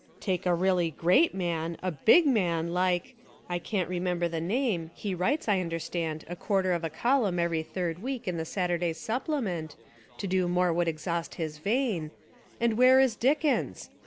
Take a really ^reat man, a bi^ man like, — I can't remember the name; he writes, I understand, a quarter of a column every third week in The Saturday Sup plement: to do more would exhaust his vein, — and where is Dickens?